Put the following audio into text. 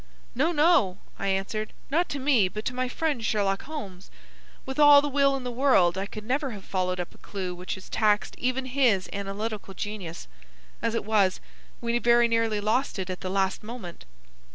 "No, no," I answered, "not to me, but to my friend Sherlock Holmes. With all the will in the world, I could never have followed up a clue which has taxed even his analytical genius. As it was, we very nearly lost it at the last moment."